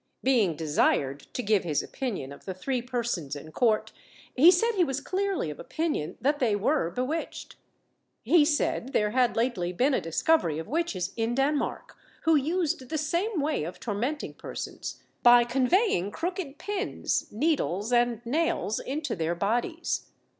Being desired to give his opinion of the three persons in court, he said he was clearly of opinion that they were bewitched. He said there had lately been a discovery of witches in Denmark, who used the same way of tormenting persons, by conveying crooked pins, needles, and nails into their bodies.